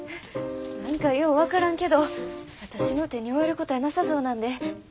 何かよう分からんけど私の手に負えることやなさそうなんで。